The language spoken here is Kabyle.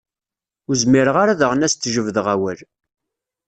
Ur zmireɣ ara daɣen ad as-d-jebdeɣ awal.